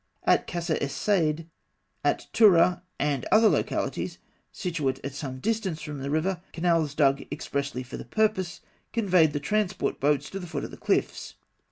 At Kasr es Saîd, at Tûrah, and other localities situate at some distance from the river, canals dug expressly for the purpose conveyed the transport boats to the foot of the cliffs.